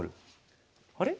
あれ？